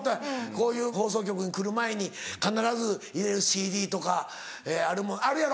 こういう放送局に来る前に必ず入れるＣＤとかあるやろ？